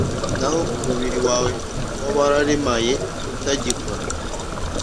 n'aho umubiri wawe waba wararemaye utagikora